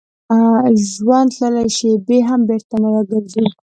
ژوند تللې شېبې هم بېرته نه راګرځي.